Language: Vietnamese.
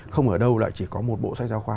không ở đâu lại chỉ có một bộ sách giáo khoa